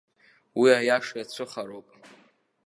Уи аиаша иацәыхароуп!